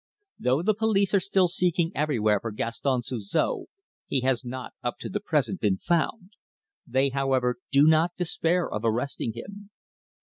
Though the police are still seeking everywhere for Gaston Suzor, he has not up to the present been found. They, however, do not despair of arresting him.